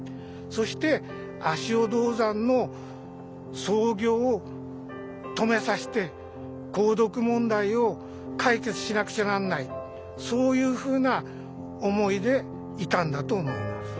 そして足尾銅山の操業を止めさせて鉱毒問題を解決しなくちゃなんないそういうふうな思いでいたんだと思います。